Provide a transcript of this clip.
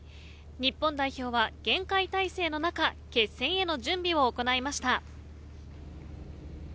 日本代表は厳戒態勢の中決戦への準備を行いました。